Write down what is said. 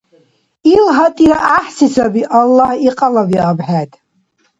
Ил гьатӀира гӀяхӀси саби. Аллагь икьалавиаб хӀед.